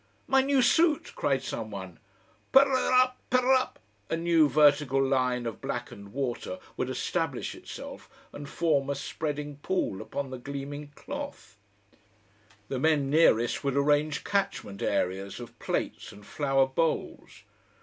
"My new suit!" cried some one. "Perrrrrr up pe rr" a new vertical line of blackened water would establish itself and form a spreading pool upon the gleaming cloth. The men nearest would arrange catchment areas of plates and flower bowls.